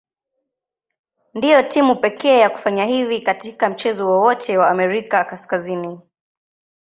Ndio timu pekee ya kufanya hivi katika mchezo wowote wa Amerika Kaskazini.